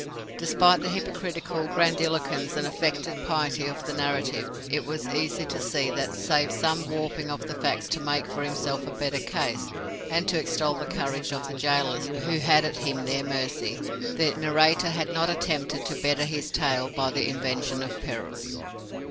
Despite the hypocritical grandiloquence and affected piety of the narrative, it was easy to see that, save some warping of facts to make for himself a better case, and to extol the courage of the gaolers who had him at their mercy, the narrator had not attempted to better his tale by the invention of perils.